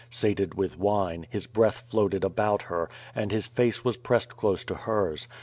Sated with wine, his breath floated about her, and his face was pressed close to hers.